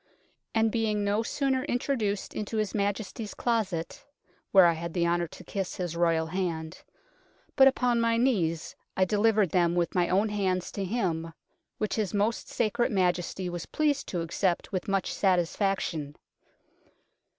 " And being no sooner introduced into his Majesty's closet (where I had the honour to kiss his Royal hand) but upon my knees I de livered them with my own hands to him, which his Most Sacred Majesty was pleased to accept with much satisfaction."